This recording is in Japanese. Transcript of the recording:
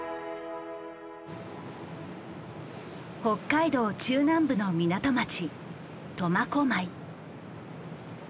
北海道中南部の港町苫小牧。